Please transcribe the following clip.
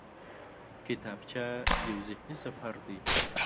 کتابچه یو ذهني سفر دی